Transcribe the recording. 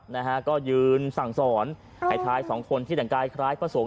นะฮะก็ยืนสั่งสอนไอ้ชายสองคนที่แต่งกายคล้ายพระสงฆ